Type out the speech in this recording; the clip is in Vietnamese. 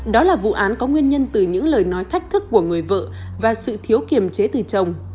đó là vụ án có nguyên nhân từ những lời nói thách thức của người vợ và sự thiếu kiềm chế từ chồng